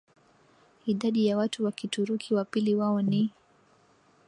idadi ya watu wa Kituruki wa pili wao ni